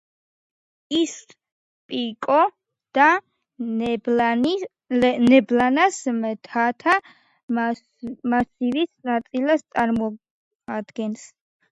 ის პიკო-და-ნებლინას მთათა მასივის ნაწილს წარმოადგენს.